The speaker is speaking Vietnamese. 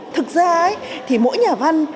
thực ra thì mỗi nhà văn